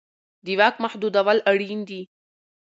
د واک محدودول اړین دي